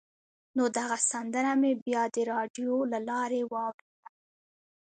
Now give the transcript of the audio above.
نو دغه سندره مې بیا د راډیو له لارې واورېده.